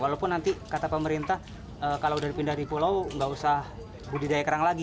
walaupun nanti kata pemerintah kalau udah dipindah di pulau nggak usah budidaya kerang lagi